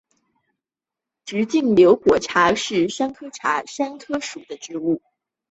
直脉瘤果茶是山茶科山茶属的植物。